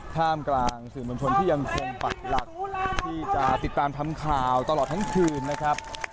ท่ามกลางสื่อมวลชนที่ยังคงปักหลักที่จะติดตามทำข่าวตลอดทั้งคืนนะครับ